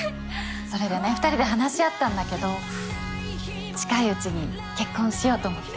それでね２人で話し合ったんだけど近いうちに結婚しようと思って。